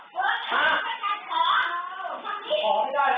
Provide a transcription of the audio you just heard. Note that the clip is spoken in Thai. ไม่ต้องเปลี่ยน